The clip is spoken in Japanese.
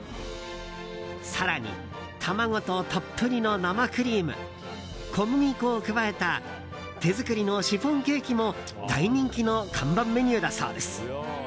更に卵とたっぷりの生クリーム小麦粉を加えた手作りのシフォンケーキも大人気の看板メニューだそうです。